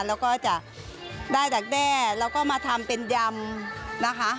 แล้วก็จะได้จากแด้แล้วก็มาทำเป็นยำนะคะ